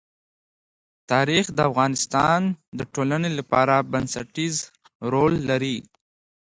تاریخ د افغانستان د ټولنې لپاره بنسټيز رول لري.